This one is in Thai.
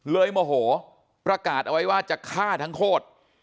โมโหประกาศเอาไว้ว่าจะฆ่าทั้งโคตร